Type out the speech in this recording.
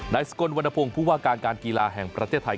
นายสกลวันนภงพูดว่าการการกีฬาแห่งประเทศไทย